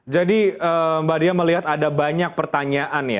jadi mbak dya melihat ada banyak pertanyaan